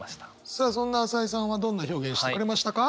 さあそんな朝井さんはどんな表現してくれましたか？